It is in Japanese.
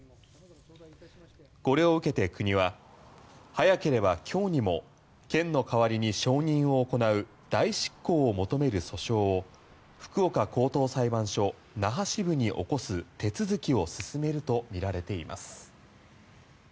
これを受けて国は早ければ今日にも県の代わりに承認を行う代執行を求める訴訟を福岡高等裁判所那覇支部に起こす手続きを進めるとみられています。